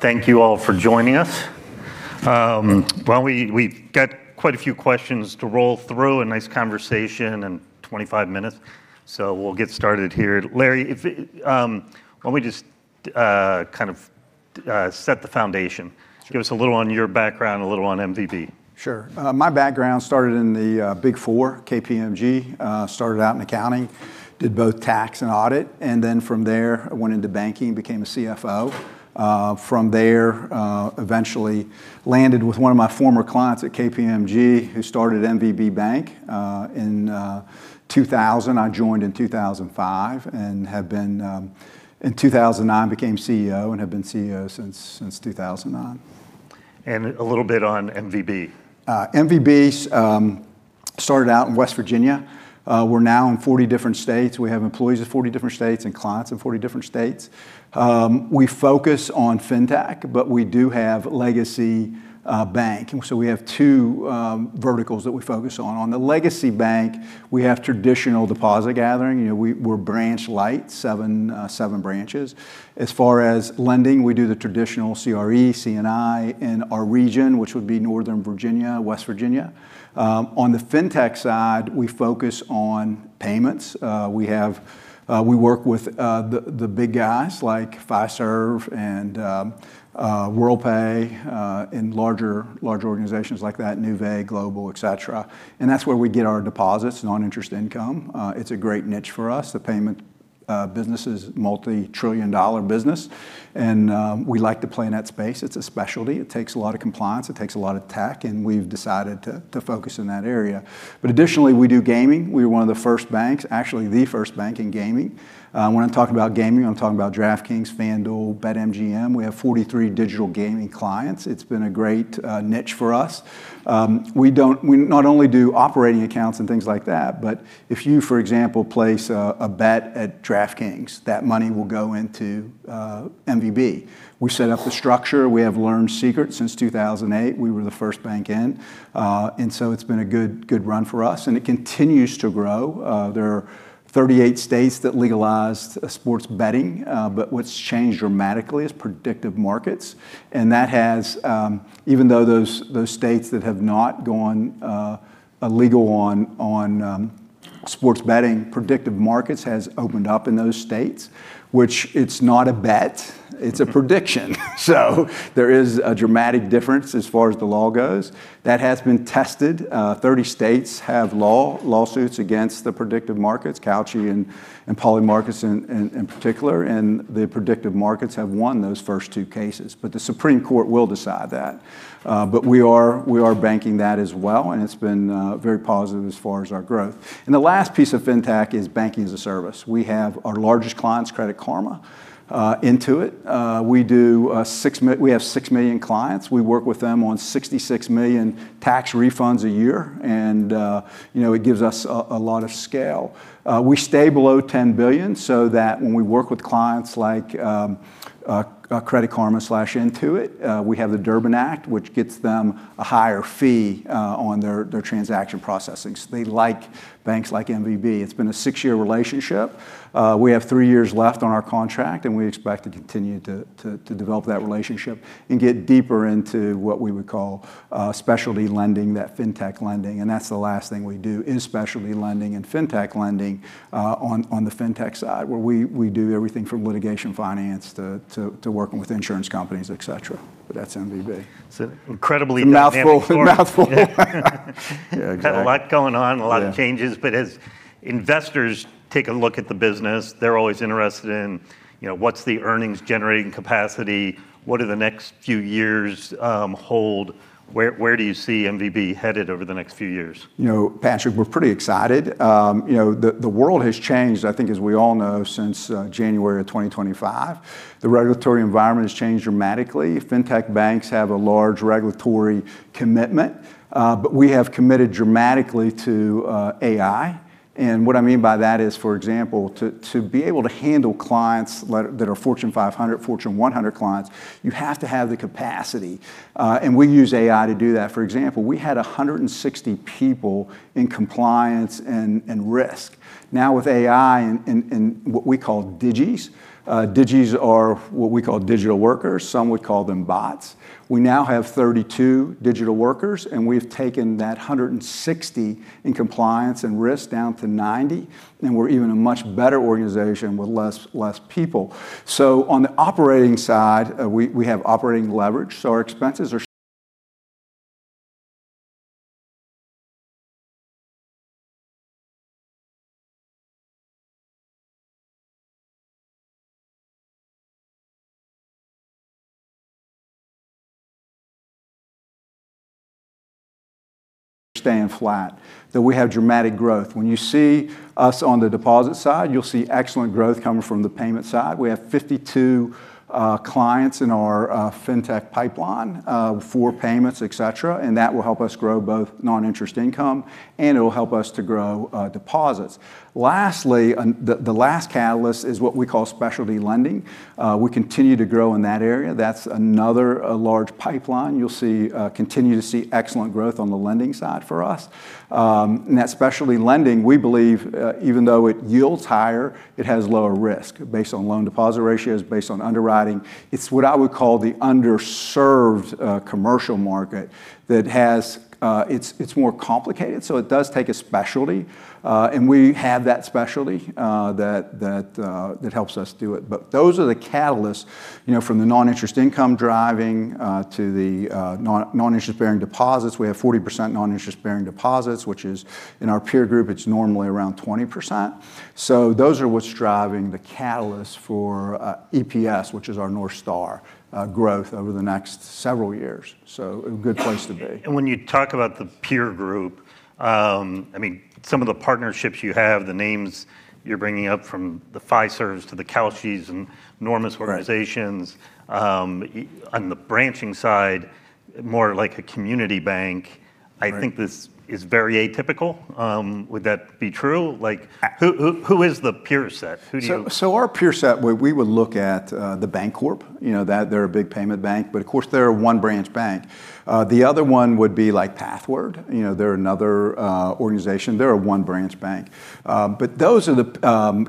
Thank you all for joining us. Well, we've got quite a few questions to roll through, a nice conversation in 25 minutes. We'll get started here. Larry, why don't we just set the foundation? Sure. Give us a little on your background, a little on MVB. Sure. My background started in the BigFour, KPMG. I started out in accounting, did both tax and audit. From there, I went into banking, became a CFO. From there, I eventually landed with one of my former clients at KPMG who started MVB Bank in 2000. I joined in 2005. In 2009, I became CEO and have been CEO since 2009. A little bit on MVB. MVB started out in West Virginia. We're now in 40 different states. We have employees in 40 different states and clients in 40 different states. We focus on fintech, but we do have legacy bank. We have two verticals that we focus on. On the legacy bank, we have traditional deposit gathering. We're branch light, seven branches. As far as lending, we do the traditional CRE, C&I in our region, which would be Northern Virginia, West Virginia. On the fintech side, we focus on payments. We work with the big guys like Fiserv and Worldpay, and larger organizations like that Nuvei, Global, et cetera. That's where we get our deposits, Non-Interest Income it's a great niche for us the payment business is a multi-trillion-dollar business, and we like to play in that space. It's a specialty. It takes a lot of compliance, it takes a lot of tech, and we've decided to focus in that area. But additionally, we do gaming. We're one of the first banks, actually the first bank in gaming. When I'm talking about gaming, I'm talking about DraftKings, FanDuel, BetMGM. We have 43 digital gaming clients it's been a great niche for us we not only do operating accounts and things like that, but if you, for example, place a bet at DraftKings that money will go into MVB. We set up the structure. We have learned secrets since 2008. We were the first bank in. And so it's been a good run for us, and it continues to grow. There are 38 states that legalized sports betting. What's changed dramatically is prediction markets, and even though those states that have not gone legal on sports betting, prediction markets has opened up in those states which it's not a bet it's a prediction. There is a dramatic difference as far as the law goes that has been tested 30 states have lawsuits against the prediction markets, Kalshi and Polymarket in particular, and the prediction markets have won those first two cases, but the Supreme Court will decide that. We are banking that as well, and it's been very positive as far as our growth. The last piece of fintech is Banking as a Service we have our largest clients, Credit Karma, Intuit. We have 6 million clients we work with them on 66 million tax refunds a year, and it gives us a lot of scale. We stay below $10 billion so that when we work with clients like Credit Karma/Intuit, we have the Durbin Act, which gets them a higher fee on their transaction processing. They like banks like MVB. It's been a six-year relationship. We have three years left on our contract, and we expect to continue to develop that relationship and get deeper into what we would call Specialty Lending, that fintech lending. That's the last thing we do is Specialty Lending and fintech lending on the fintech side, where we do everything from Litigation Finance to working with insurance companies, et cetera. That's MVB. It's an incredibly dynamic. A mouthful. Yeah, exactly. Had a lot going on, a lot of changes. Yeah. As investors take a look at the business they're always interested in what's the earnings-generating capacity. What do the next few years hold? Where do you see MVB headed over the next few years? Patrick, we're pretty excited. The world has changed, I think as we all know, since January of 2025. The regulatory environment has changed dramatically. Fintech banks have a large regulatory commitment we have committed dramatically to AI what I mean by that is for example to be able to handle clients that are fortune 500, fortune 100 clients, you have to have the capacity. We use AI to do that for example we had 160 people in compliance and risk. Now, with AI and what we call digies are what we call digital workers some would call them bots we now have 32 digital workers, and we've taken that 160 in compliance and risk down to 90, and we're even a much better organization with less people. On the operating side, we have operating leverage, so our expenses are staying flat, that we have dramatic growth. When you see us on the deposit side, you'll see excellent growth coming from the payment side. We have 52 clients in our fintech pipeline for payments, et cetera, and that will help us grow both Non-Interest Income, and it'll help us to grow deposits. Lastly, the last catalyst is what we call Specialty Lending we continue to grow in that area that's another large pipeline you'll continue to see excellent growth on the lending side for us. In that Specialty Lending, we believe even though it yields higher, it has lower risk based on loan deposit ratios, based on underwriting. It's what I would call the underserved commercial market. It's more complicated, so it does take a specialty we have that specialty that helps us do it. Those are the catalysts, from the Non-Interest Income driving to the Non-Interest-Bearing Deposits. We have 40% Non-Interest-Bearing Deposits, which is in our peer group, it's normally around 20%. Those are what's driving the catalyst for EPS, which is our North Star growth over the next several years, a good place to be. When you talk about the peer group, some of the partnerships you have, the names you're bringing up from the Fiservs to the Kalshi, and enormous organizations. Right. On the branching side, more like a community bank. Right. I think this is very atypical. Would that be true? Who is the peer set? Our peer set, we would look at The Bancorp, they're a big payment bank of course they're a one-branch bank. The other one would be Pathward they're another organization they're a one-branch bank.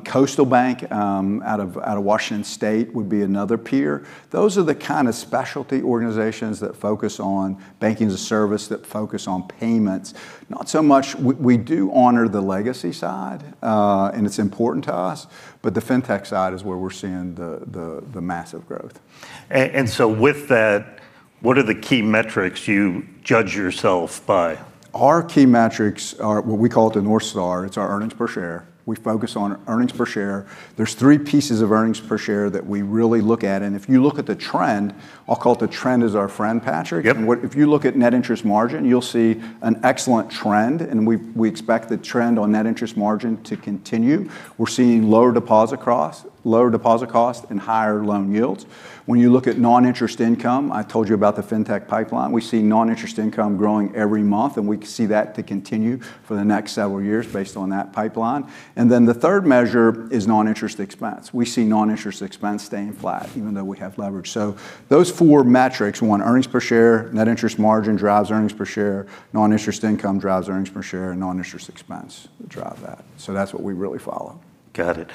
Coastal Bank out of Washington State would be another peer those are the kind of specialty organizations that focus on Banking as a Service, that focus on payments. We do honor the legacy side, and it's important to us, but the fintech side is where we're seeing the massive growth. With that, what are the key metrics you judge yourself by? Our key metrics are what we call the North Star it's our earnings per share we focus on earnings per share. There's three pieces of earnings per share that we really look at if you look at the trend, I'll call it the trend is our friend, Patrick. Yep. If you look at Net Interest Margin, you'll see an excellent trend, and we expect the trend on Net Interest Margin to continue. We're seeing lower deposit cost and higher loan yields when you look at Non-Interest Income, I told you about the fintech pipeline. We see Non-Interest Income growing every month, and we see that to continue for the next several years based on that pipeline. The third measure is Non-Interest Expense. We see Non-Interest Expense staying flat even though we have leverage. Those four metrics, one, Earnings Per Share, Net Interest Margin drives Earnings Per Share, Non-Interest Income drives Earnings Per Share and Non-Interest Expense drive that. That's what we really follow. Got it.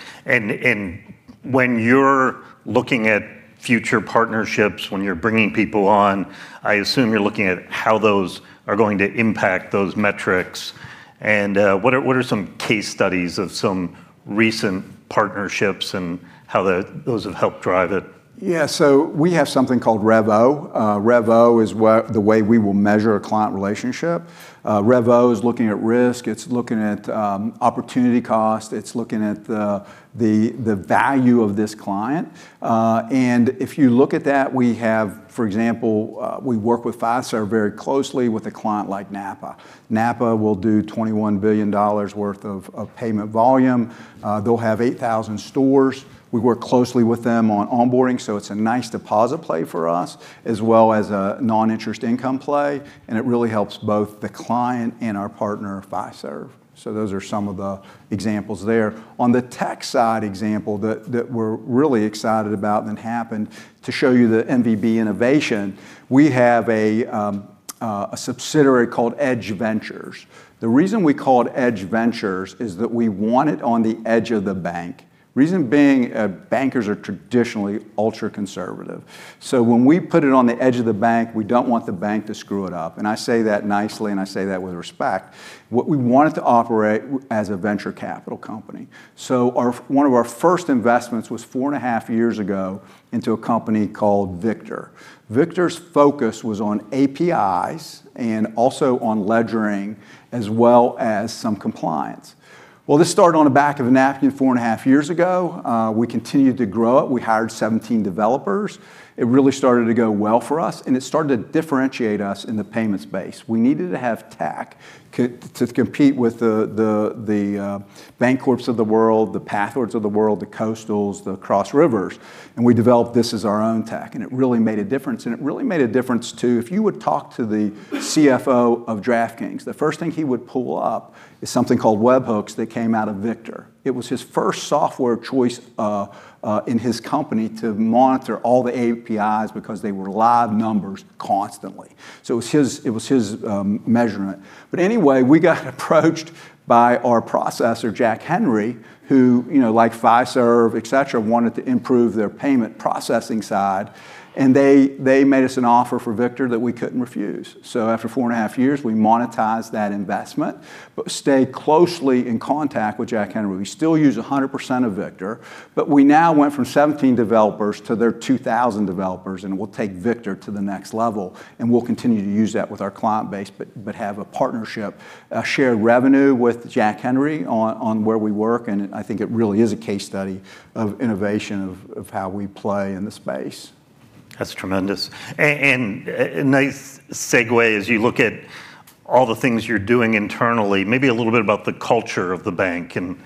When you're looking at future partnerships, when you're bringing people on, I assume you're looking at how those are going to impact those metrics. What are some case studies of some recent partnerships and how those have helped drive it? Yeah. We have something called REVO. REVO is the way we will measure a client relationship. REVO is looking at risk. It's looking at opportunity cost. It's looking at the value of this client. If you look at that, for example, we work with Fiserv very closely with a client like NAPA. NAPA will do $21 billion worth of payment volume. They'll have 8,000 stores. We work closely with them on onboarding, so it's a nice deposit play for us, as well as a Non-Interest Income play. It really helps both the client and our partner, Fiserv. Those are some of the examples there. On the tech side example that we're really excited about and happened to show you the MVB innovation, we have a subsidiary called Edge Ventures. The reason we call it Edge Ventures is that we want it on the edge of the bank. Reason being, bankers are traditionally ultra-conservative when we put it on the edge of the bank, we don't want the bank to screw it up. I say that nicely, and I say that with respect we want it to operate as a venture capital company. One of our first investments was four and a half years ago into a company called Victor. Victor's focus was on APIs and also on ledgering as well as some compliance. Well, this started on the back of a napkin four and a half years ago. We continued to grow it we hired 17 developers it really started to go well for us, and it started to differentiate us in the payments space. We needed to have tech to compete with the Bancorps of the world, the Pathwards of the world, the Coastals, the Cross Rivers. We developed this as our own tech, and it really made a difference it really made a difference, too, if you would talk to the CFO of DraftKings, the first thing he would pull up is something called webhooks that came out of Victor. It was his first software choice in his company to monitor all the APIs because they were live numbers constantly it was his measurement. Anyway, we got approached by our processor, Jack Henry, who like Fiserv, et cetera, wanted to improve their payment processing side. They made us an offer for Victor that we couldn't refuse. After four and a half years, we monetized that investment, but stayed closely in contact with Jack Henry. We still use 100% of Victor, but we now went from 17 developers to their 2,000 developers, and we'll take Victor to the next level. We'll continue to use that with our client base, but have a partnership, a shared revenue with Jack Henry on where we work, and I think it really is a case study of innovation of how we play in the space. That's tremendous. A nice segue as you look at all the things you're doing internally, maybe a little bit about the culture of the bank and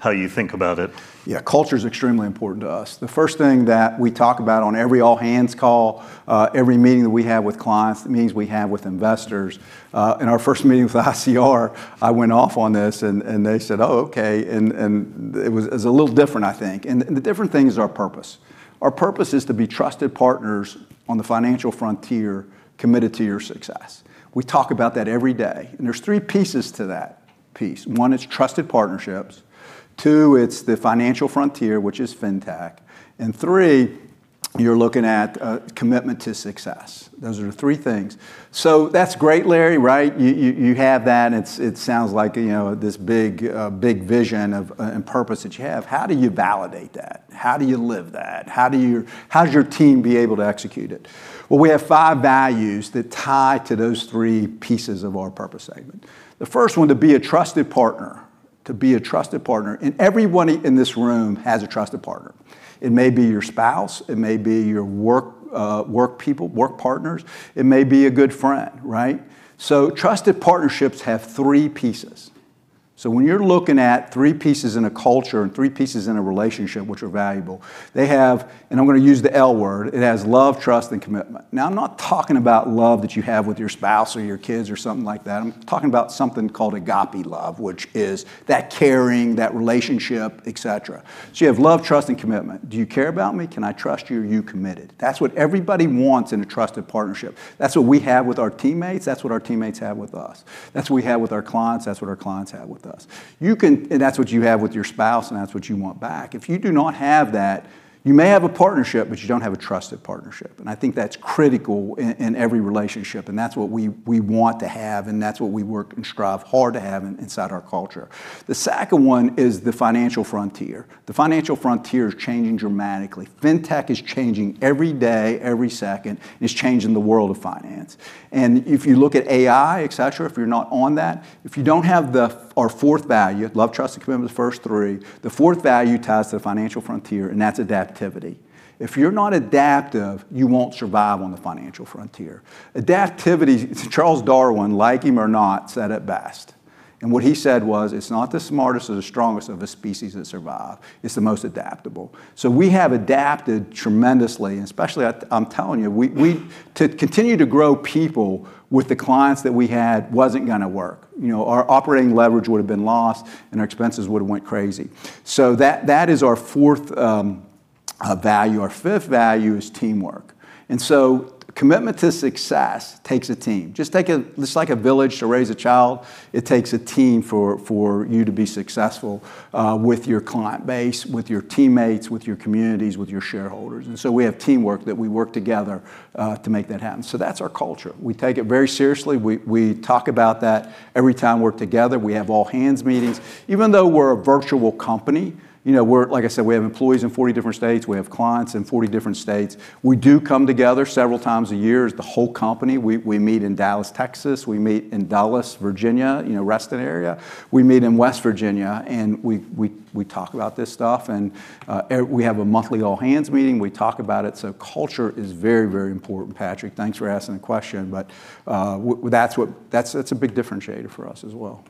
how you think about it. Yeah. Culture's extremely important to us, the first thing that we talk about on every all-hands call, every meeting that we have with clients, the meetings we have with investors. In our first meeting with ICR, I went off on this, and they said, "Oh, okay." It's a little different, I think. The different thing is our purpose. Our purpose is to be trusted partners on the financial frontier, committed to your success. We talk about that every day there's three pieces to that piece one is trusted partnerships, two it's the financial frontier, which is fintech, and three you're looking at commitment to success. Those are the three things. That's great, Larry, right? You have that, and it sounds like this big vision and purpose that you have. How do you validate that? How do you live that? How does your team be able to execute it? Well, we have five values that tie to those three pieces of our purpose segment. The first one, to be a trusted partner everyone in this room has a trusted partner. It may be your spouse, it may be your work people, work partners, it may be a good friend, right? Trusted partnerships have three pieces. When you're looking at three pieces in a culture and three pieces in a relationship which are valuable, they have, and I'm going to use the L word, it has love, trust, and commitment. Now, I'm not talking about love that you have with your spouse or your kids or something like that. I'm talking about something called agape love, which is that caring, that relationship, et cetera. You have love, trust, and commitment. Do you care about me? Can I trust you? Are you committed? That's what everybody wants in a trusted partnership. That's what we have with our teammates that's what our teammates have with us that's what we have with our clients that's what our clients have with us. That's what you have with your spouse, and that's what you want back. If you do not have that, you may have a partnership, but you don't have a trusted partnership. I think that's critical in every relationship, and that's what we want to have, and that's what we work and strive hard to have inside our culture. The second one is the financial frontier. The financial frontier is changing dramatically. Fintech is changing every day, every second, and it's changing the world of finance. If you look at AI, et cetera, if you're not on that, if you don't have our fourth value, Love, Trust and Commitment is the first three, the fourth value ties to the Financial Frontier, and that's adaptivity. If you're not adaptive, you won't survive on the Financial Frontier adaptivity. Charles Darwin, like him or not, said it best what he said was, "It's not the smartest or the strongest of a species that survive, it's the most adaptable." We have adapted tremendously especially, I'm telling you, to continue to grow people with the clients that we had wasn't going to work. Our operating leverage would've been lost, and our expenses would've went crazy that is our fourth value. Our fifth value is Teamwork. Commitment to success takes a team. Just like a village to raise a child, it takes a team for you to be successful with your client base, with your teammates, with your communities, with your shareholders. We have teamwork, that we work together to make that happen. That's our culture. We take it very seriously. We talk about that every time we're together. We have all-hands meetings even though we're a virtual company, like I said, we have employees in 40 different states, we have clients in 40 different states, we do come together several times a year as the whole company. We meet in Dallas, Texas we meet in Dulles, Virginia, Reston area. We meet in West Virginia, and we talk about this stuff. We have a monthly all-hands meeting. We talk about it. Culture is very, very important, Patrick. Thanks for asking the question. That's a big differentiator for us as well.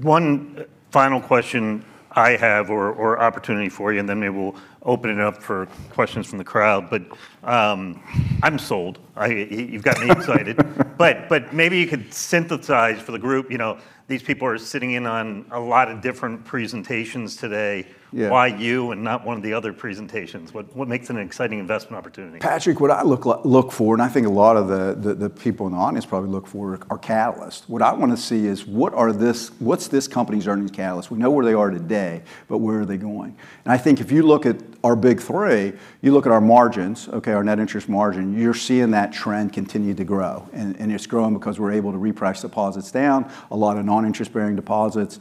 One final question I have, or opportunity for you, and then maybe we'll open it up for questions from the crowd. I'm sold. You've got me excited. Maybe you could synthesize for the group. These people are sitting in on a lot of different presentations today. Yeah. Why you and not one of the other presentations? What makes an exciting investment opportunity? Patrick, what I look for, and I think a lot of the people in the audience probably look for, are catalysts. What I want to see is what's this company's earnings catalyst? We know where they are today, but where are they going? I think if you look at our Big Three, you look at our margins, okay, our Net Interest Margin, you're seeing that trend continue to grow. It's growing because we're able to reprice deposits down, a lot of non-interest-bearing deposits.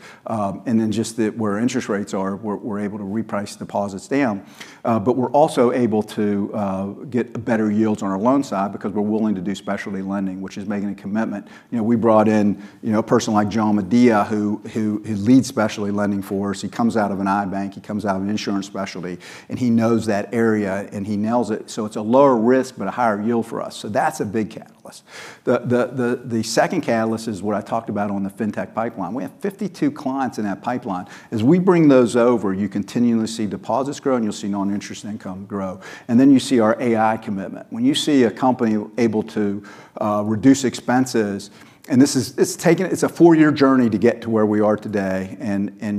Just where interest rates are, we're able to reprice deposits down. We're also able to get better yields on our loan side because we're willing to do Specialty Lending, which is making a commitment. We brought in a person like [Joe Medea], who leads Specialty Lending for us. He comes out of an iBank, he comes out of an insurance specialty, and he knows that area, and he nails it. It's a lower risk, but a higher yield for us. That's a big catalyst the second catalyst is what I talked about on the fintech pipeline. We have 52 clients in that pipeline as we bring those over, you continually see deposits grow, and you'll see Non-Interest Income grow. You see our AI commitment when you see a company able to reduce expenses, and it's a four-year journey to get to where we are today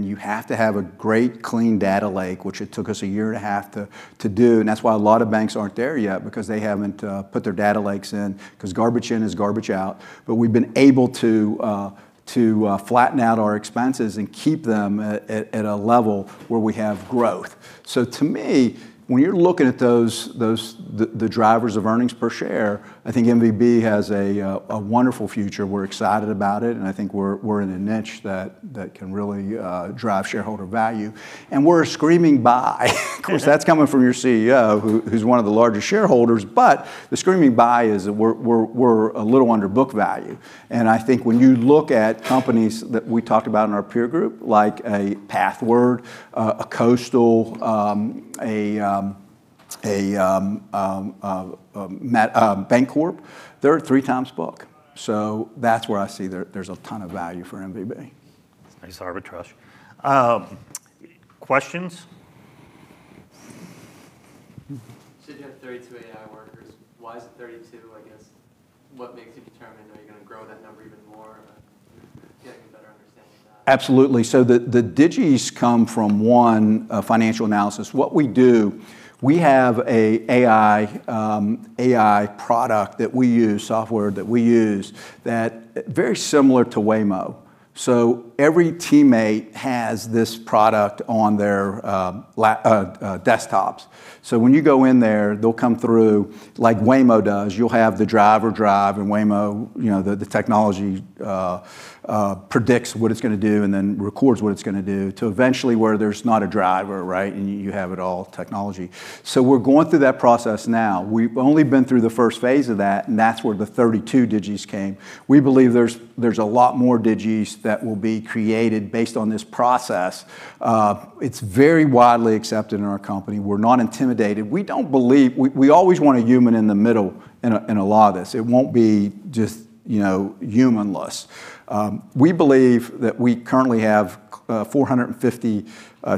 you have to have a great clean Data Lake, which it took us a year and a half to do. That's why a lot of banks aren't there yet, because they haven't put their Data Lakes in, because garbage in is garbage out. We've been able to flatten out our expenses and keep them at a level where we have growth. To me, when you're looking at the drivers of earnings per share, I think MVB has a wonderful future. We're excited about it, and I think we're in a niche that can really drive shareholder value. We're a screaming buy. Of course, that's coming from your CEO, who's one of the largest shareholders, but the screaming buy is we're a little under book value. I think when you look at companies that we talked about in our peer group, like a Pathward, a Coastal, a Bancorp, they're at 3 times book. That's where I see there's a ton of value for MVB. Nice arbitrage. Questions? You said you have 32 AI workers. Why is it 32? I guess, what makes you determine, are you going to grow that number even more, getting a better understanding of that? Absolutely. The digies come from one financial analysis what we do, we have a AI product that we use, software that we use, very similar to Waymo. Every teammate has this product on their desktops when you go in there, they'll come through like Waymo does. You'll have the driver drive and Waymo, the technology, predicts what it's going to do and then records what it's going to do to eventually where there's not a driver. You have it all technology. We're going through that process now. We've only been through the first phase of that, and that's where the 32 digies came. We believe there's a lot more digies that will be created based on this process. It's very widely accepted in our company. We're not intimidated. We always want a human in the middle in a lot of this it won't be just humanless. We believe that we currently have 450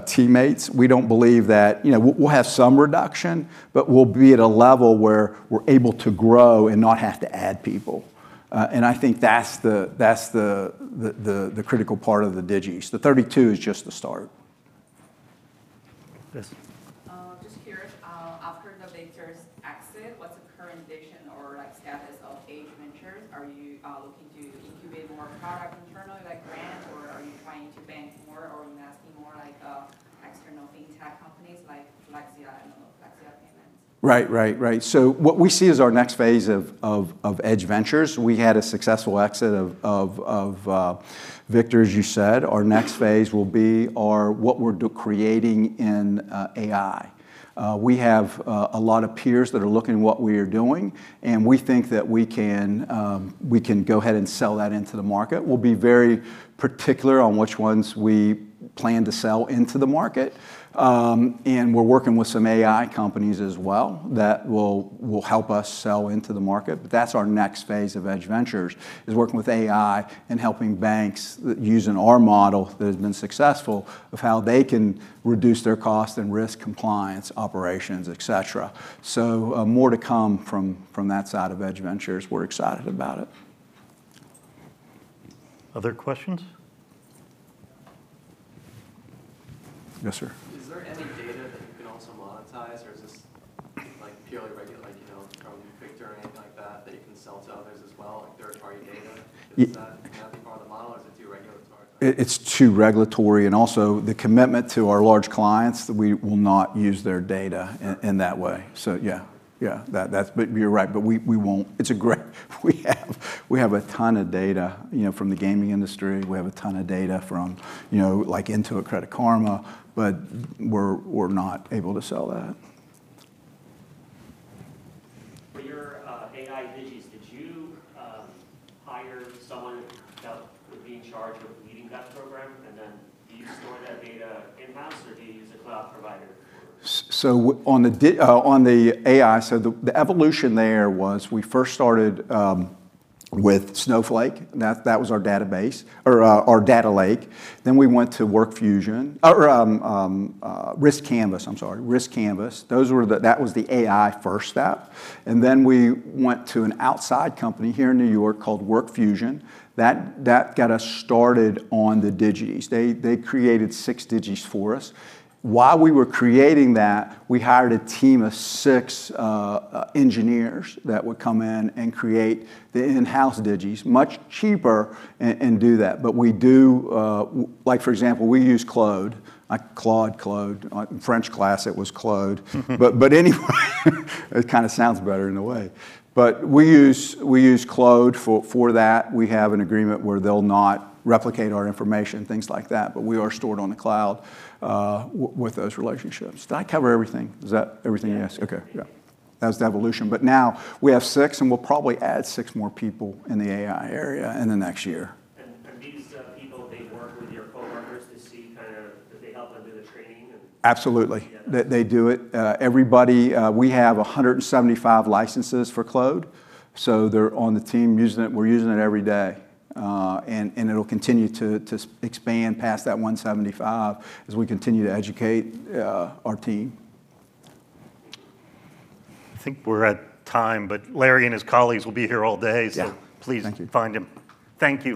teammates. We'll have some reduction, but we'll be at a level where we're able to grow and not have to add people. I think that's the critical part of the digies the 32 is just the start. Yes. Just curious, after the Victor's exit, what's the current vision or status of Edge Ventures? Are you looking to incubate more product internally, like Grant, or are you trying to bank more, or investing more like external fintech companies like Flexia, I don't know, Flexia Payments? Right. We had a successful exit of Victor, as you said. Our next phase will be what we're creating in AI. We have a lot of peers that are looking at what we are doing, and we think that we can go ahead and sell that into the market. We'll be very particular on which ones we plan to sell into the market we're working with some AI companies as well that will help us sell into the market. That's our next phase of Edge Ventures, is working with AI and helping banks using our model that has been successful of how they can reduce their cost and risk, compliance, operations, et cetera. More to come from that side of Edge Ventures. We're excited about it. Other questions? Yes, sir. Is there any data that you can also monetize, or is this purely regular, like [Victor] or anything like that you can sell to others as well, like third-party data? Is that now part of the model, or is it too regulatory? It's too regulatory and also the commitment to our large clients that we will not use their data. Sure In that way. Yeah, you're right. We won't. We have a ton of data from the gaming industry. We have a ton of data from Intuit Credit Karma, but we're not able to sell that. For your AI digies, did you hire someone that would be in charge of leading that program? Do you store that data in-house or do you use a cloud provider? On the AI, the evolution there was we first started with Snowflake. That was our database or our Data Lake. We went to riskCanvas. That was the AI first step, and then we went to an outside company here in New York called WorkFusion, that got us started on the digies. They created six digies for us. While we were creating that, we hired a team of six engineers that would come in and create the in-house digies much cheaper and do that. We do, for example, we use Claude like Claude. In French class, it was Claude. Anyway, it kind of sounds better in a way. We use Claude for that. We have an agreement where they'll not replicate our information, things like that. We are stored on the cloud with those relationships. Did I cover everything? Is that everything you asked? Yeah. Okay. Yeah. That was the evolution. Now we have six, and we'll probably add six more people in the AI area in the next year. Absolutely. They do it. We have 175 licenses for Claude, so they're on the team using it. We're using it every day. It'll continue to expand past that 175 as we continue to educate our team. I think we're at time, but Larry and his colleagues will be here all day. Yeah Please. Thank you. Find him. Thank you.